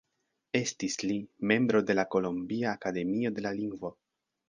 Estis li membro de la Kolombia akademio de la lingvo.